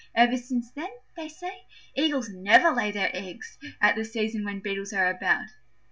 Ever since then, they say, Eagles never lay their eggs at the season when Beetles are about.